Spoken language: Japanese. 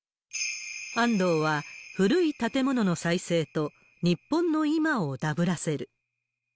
安藤は、古い建物の再生と日本の今をダブらせる。